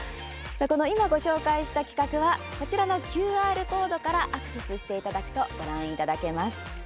今、ご紹介した企画はこちらのＱＲコードからアクセスしていただくとご覧いただけます。